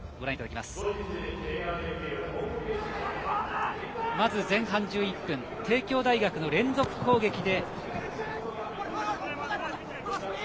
まず前半１１分帝京大学の連続攻撃で。